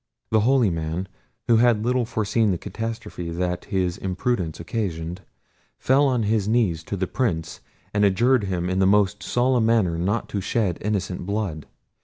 The holy man, who had little foreseen the catastrophe that his imprudence occasioned, fell on his knees to the Prince, and adjured him in the most solemn manner not to shed innocent blood.